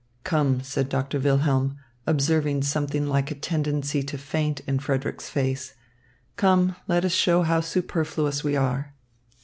"Come," said Doctor Wilhelm, observing something like a tendency to faint in Frederick's face. "Come, let us show how superfluous we are."